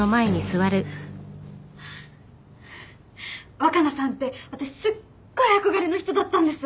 若菜さんって私すっごい憧れの人だったんです。